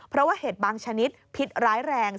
เพราะว่าเห็ดบางชนิดพิษร้ายแรง